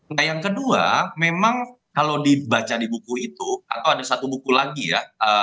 nah yang kedua memang kalau dibaca di buku itu atau ada satu buku lagi ya